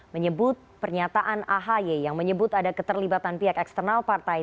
menyebut pernyataan ahy yang menyebut ada keterlibatan pihak eksternal partai